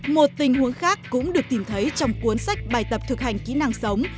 một tình huống khác cũng được tìm thấy trong cuốn sách bài tập thực hành kỹ năng sống